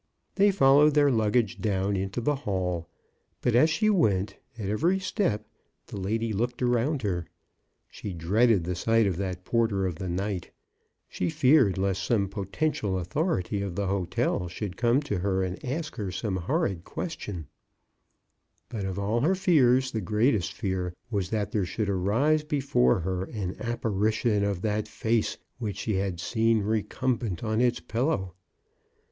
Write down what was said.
They followed their luggage down into the hall ; but as she went, at every step, the lady looked around her. She dreaded the sight of that porter of the night ; she feared lest some potential authority of the hotel should come to her and ask her some horrid question ; but of all her fears her greatest fear was that there should arise before her an apparition of that face which she had seen recumbent on its pillow.